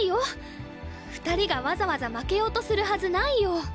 ⁉２人がわざわざ負けようとするはずないよ！